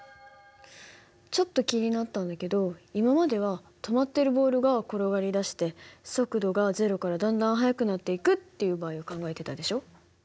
ちょっと気になったんだけど今までは止まっているボールが転がりだして速度が０からだんだん速くなっていくっていう場合を考えてたでしょ。